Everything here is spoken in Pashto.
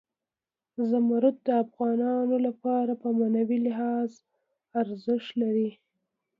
زمرد د افغانانو لپاره په معنوي لحاظ ارزښت لري.